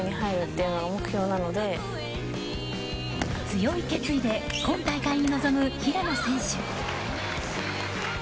強い決意で今大会に臨む平野選手。